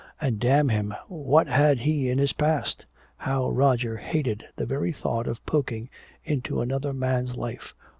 And damn him, what had he in his past? How Roger hated the very thought of poking into another man's life!